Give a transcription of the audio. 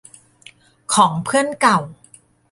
ของเพื่อนเก่า